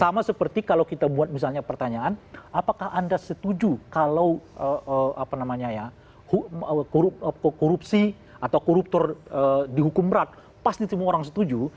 sama seperti kalau kita buat misalnya pertanyaan apakah anda setuju kalau apa namanya ya korupsi atau koruptor dihukum berat pasti semua orang setuju